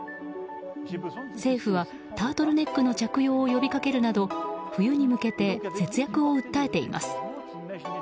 政府はタートルネックの着用を呼びかけるなど冬に向けて節約を訴えています。